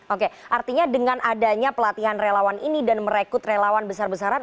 oke artinya dengan adanya pelatihan relawan ini dan merekrut relawan besar besaran